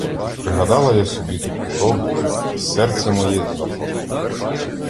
Пригадала я собі ту хворобу, і серце моє захололо.